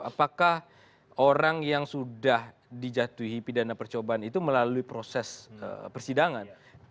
apakah orang yang sudah dijatuhi pidana percobaan itu melalui proses persidangan